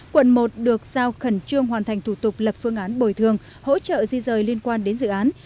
quận một được giao khẩn trương hoàn thành thủ tục lập phương án bồi thường hỗ trợ di rời liên quan đến dự án